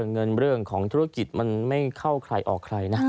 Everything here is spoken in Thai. เงินเรื่องของธุรกิจมันไม่เข้าใครออกใครนะ